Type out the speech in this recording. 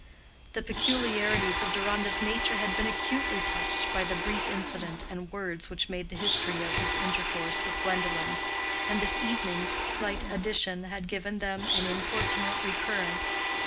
The peculiarities of Deronda's nature had been acutely touched by the brief incident and words which made the history of his intercourse with Gwendolen; and this evening's slight addition had given them an importunate recurrence.